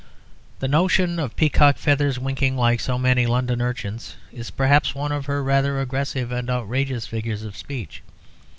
The notion of peacock feathers winking like so many London urchins is perhaps one of her rather aggressive and outrageous figures of speech.